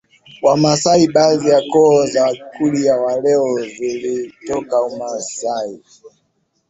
Wamasai baadhi ya koo za Wakurya wa leo zilitoka Umasai